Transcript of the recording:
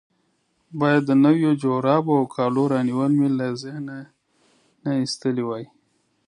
باید د نویو جرابو او کالو رانیول مې له ذهنه نه وای ایستلي.